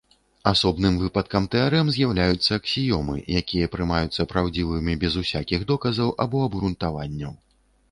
Асобным выпадкам тэарэм з'яўляюцца аксіёмы, якія прымаюцца праўдзівымі без усякіх доказаў або абгрунтаванняў.